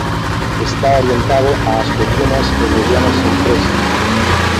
Está orientado ás pequenas e medianas empresas.